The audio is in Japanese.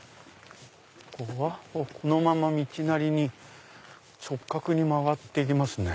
このまま道なりに直角に曲がって行きますね。